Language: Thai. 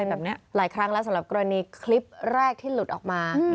เป็นแบบนี้หลายครั้งแล้วสำหรับกรณีคลิปแรกที่หลุดออกมา